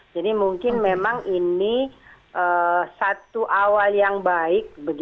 jadi mungkin memang ini satu awal yang baik